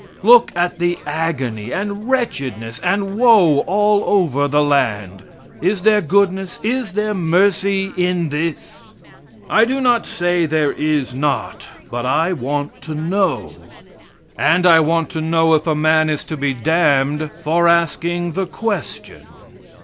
Look at the agony, and wretchedness and woe all over the land. Is there goodness, is there mercy in this? I do not say there is not, but I want to know, and I want to know if a man is to be damned for asking the question?